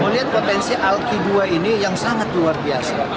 melihat potensi alki dua ini yang sangat luar biasa